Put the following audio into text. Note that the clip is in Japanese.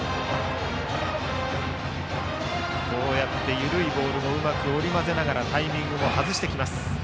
緩いボールもうまく織り交ぜながらタイミングも外してきます。